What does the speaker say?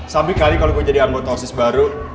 sabi kali kalo gue jadi anggota osis baru